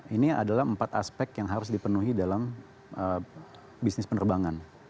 ini adalah empat aspek yang harus dipenuhi dalam bisnis penerbangan